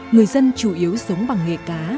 người dân chủ yếu sống bằng nghề cá